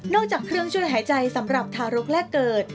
จากเครื่องช่วยหายใจสำหรับทารกแรกเกิด